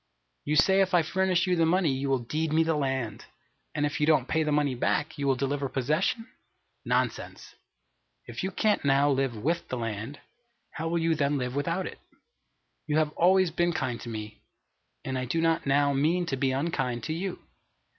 You say if I furnish you the money you will deed me the land, and if you don't pay the money back, you will deliver possession Nonsense! If you can't now live with the land, how will you then live without it? You have always been kind to me, and I do not now mean to be unkind to you.